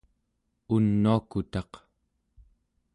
unuakutaq